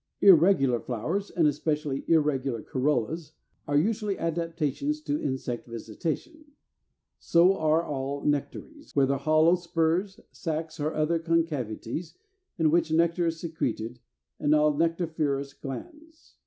337. Irregular flowers (253) and especially irregular corollas are usually adaptations to insect visitation. So are all Nectaries, whether hollow spurs, sacs, or other concavities in which nectar is secreted, and all nectariferous glands.